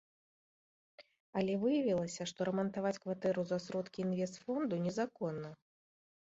Але выявілася, што рамантаваць кватэру за сродкі інвестфонду незаконна.